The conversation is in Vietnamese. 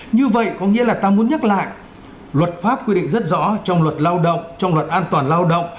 như vậy có nghĩa là ta muốn nhắc lại luật pháp quy định rất rõ trong luật lao động trong luật an toàn lao động